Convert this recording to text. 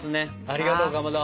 ありがとうかまど。